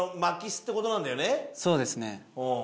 そうですね。